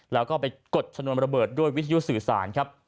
แล้วก็ไปกดชนวนระเบิดด้วยวิทยุสื่อสารครับ